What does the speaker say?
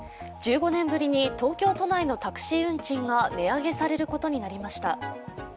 １５年ぶりに東京都内のタクシー運賃が値上げされることになりました。